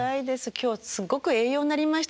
今日すごく栄養になりました